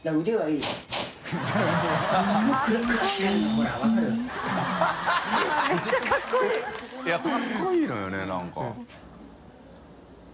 いやかっこいいのよね何か。